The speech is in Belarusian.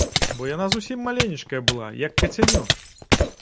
Бо яна зусім маленечкая была, як кацянё!